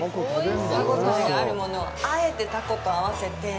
歯応えがあるものをあえてタコと合わせて。